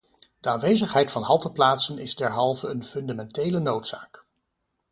De aanwezigheid van halteplaatsen is derhalve een fundamentele noodzaak.